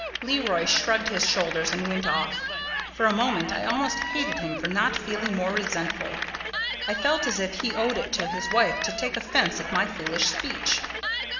Leroy shrugged his shoulders and went off. For a moment I almost hated him for not feeling more resentful. I felt as if he owed it to his wife to take offence at my foolish speech.